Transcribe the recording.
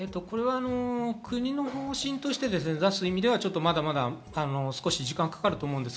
国の方針として出す意味ではまだまだ少し時間がかかると思います。